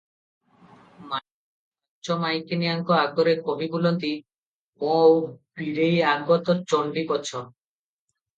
ମାଇଁ ପାଞ୍ଚ ମାଇକିନିଆଙ୍କ ଆଗରେ କହି ବୁଲନ୍ତି, "ମୋ ବୀରେଇ ଆଗ ତ ଚଣ୍ଡୀ ପଛ ।